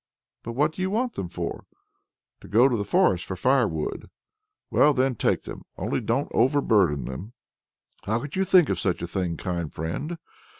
"But what do you want them for?" "To go to the forest for firewood." "Well then, take them; only don't overburthen them." "How could you think of such a thing, kind friend!"